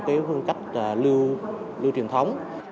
cái phương cách lưu truyền thống